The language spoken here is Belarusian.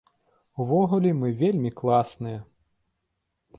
Увогуле, мы вельмі класныя!